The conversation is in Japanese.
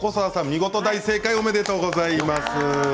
見事大正解おめでとうございます。